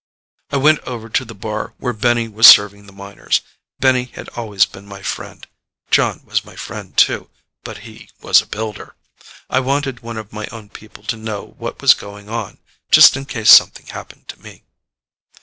I went over to the bar where Benny was serving the miners. Benny had always been my friend. Jon was my friend, too, but he was a Builder. I wanted one of my own people to know what was going on, just in case something happened to me.